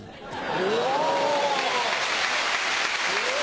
お！